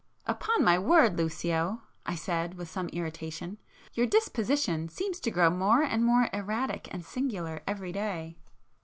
"Upon my word, Lucio," I said with some irritation—"Your disposition seems to grow more and more erratic and singular every day!"